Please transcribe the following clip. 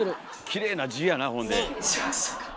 きれいな字やなほんで。